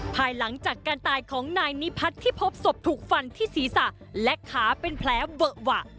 ภายหลังจากการตายของนายนิพัฒน์ที่พบศพถูกฟันที่ศีรษะและขาเป็นแผลเวอะหวะ